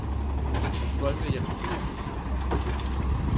Was sollen wir jetzt tun?